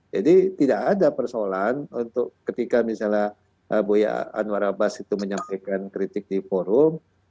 jadi tidak ada persoalan untuk ketika misalnya buya anwar abbas itu menyampaikan kritik di forum